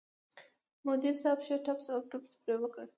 مدیر صاحب ښه ټس اوټوس پرې وکړ.